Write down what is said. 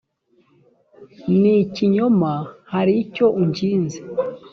ni ikinyoma hari icyo unkinze.